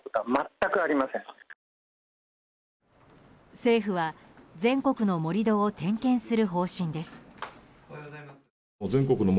政府は、全国の盛り土を点検する方針です。